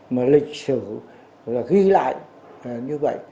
mà lịch sử ghi lại như vậy